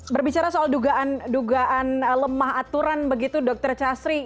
berbicara soal dugaan lemah aturan begitu dokter castri